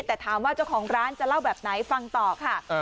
แต่ถามว่าเจ้าของร้านจะเล่าแบบไหนฟังต่อค่ะ